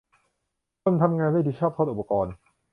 คนทำงานไม่ดีชอบโทษอุปกรณ์